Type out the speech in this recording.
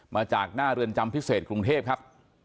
มาจากหน้าเรือนจำพิเศษกรุงเทพครับ